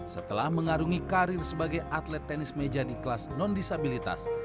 setelah mengarungi karir sebagai atlet tenis meja di kelas non disabilitas